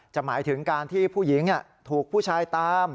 หมายถึงการที่ผู้หญิงถูกผู้ชายตาม